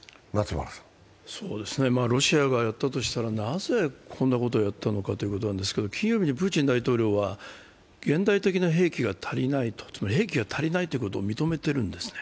ロシアがやったとしたら、なぜこんなことをやったのかということなんですが、金曜日にプーチン大統領は現代的な兵器が足りないと、兵器が足りないっていうことを認めているんですね。